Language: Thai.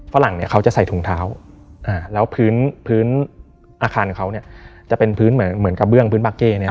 ฝรั่งเขาจะใส่ถุงเท้าแล้วพื้นอาคารเขาจะเป็นพื้นเหมือนกระเบื้องพื้นบัคเก้